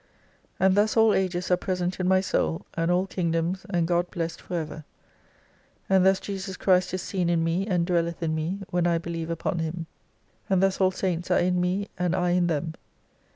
And thus all ages are present in my soul, and all kingdoms, and God blessed forever. And thus Jesus Christ is seen in me, and dwelleth in me, when I believe upon Him. And thus all Saints are in me, and I in them.